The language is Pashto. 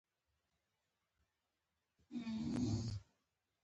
دغه موادو ته په پښتو کې کمپوزیتونه هم ویل کېږي.